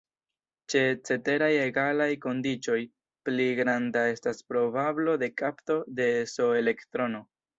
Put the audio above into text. Ĉe ceteraj egalaj kondiĉoj, pli granda estas probablo de kapto de "s"-elektrono.